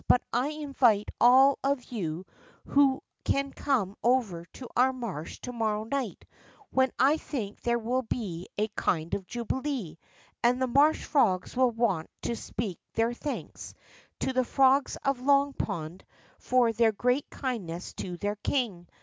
But I invite THE REST OF BOOM A ROOM' S STORY 69 all of you who can to come over to our marsh to morrow night, when I think there will be a kind of jubilee, and the marsh frogs will want to speak their thanks to the frogs of Long Pond for their great kindness to their king.